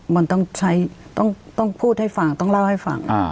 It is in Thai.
มันต้องพูดให้ฟังต้องเล่าให้ฟัง